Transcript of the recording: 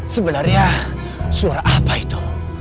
sebenarnya suara apa itu